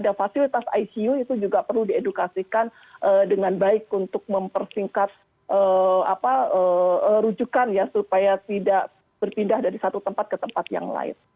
dan fasilitas icu itu juga perlu diedukasikan dengan baik untuk mempersingkat rujukan ya supaya tidak berpindah dari satu tempat ke tempat yang lain